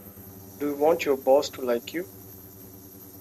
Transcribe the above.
Do you want your boss to like you?